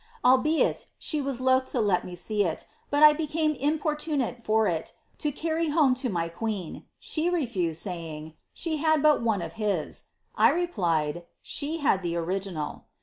Albeit, she was loth to let me see it, but I ie importunate for it, to carry home to my queen ; she refused, tr, ^ she had but one of liis.' 1 replied, ^ She had the original.'